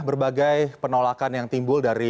berbagai penolakan yang timbul dari